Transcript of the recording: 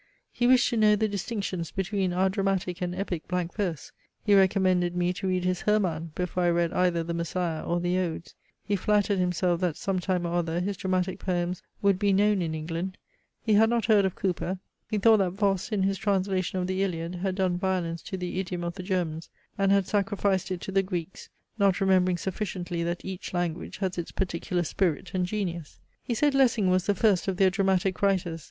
He wished to know the distinctions between our dramatic and epic blank verse. He recommended me to read his HERMANN before I read either THE MESSIAH or the odes. He flattered himself that some time or other his dramatic poems would be known in England. He had not heard of Cowper. He thought that Voss in his translation of THE ILIAD had done violence to the idiom of the Germans, and had sacrificed it to the Greeks, not remembering sufficiently that each language has its particular spirit and genius. He said Lessing was the first of their dramatic writers.